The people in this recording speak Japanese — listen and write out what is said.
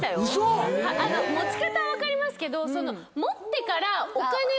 持ち方は分かりますけど。